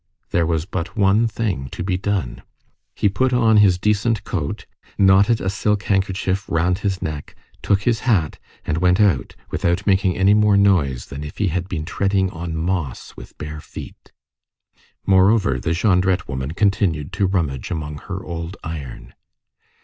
There was but one thing to be done. He put on his decent coat, knotted a silk handkerchief round his neck, took his hat, and went out, without making any more noise than if he had been treading on moss with bare feet. Moreover, the Jondrette woman continued to rummage among her old iron.